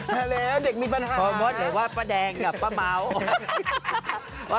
ไม่แล้วเด็กมีปัญหานะพอมดเหลือว่าป้าแดงกับป้าเมาท์